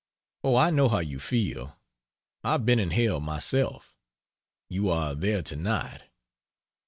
Oh, I know how you feel! I've been in hell myself. You are there tonight.